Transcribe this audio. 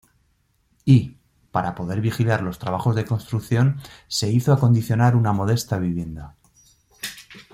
Y, para poder vigilar los trabajos de construcción, se hizo acondicionar una modesta vivienda.